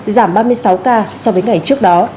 giảm ba mươi sáu ca so với ngày trước đó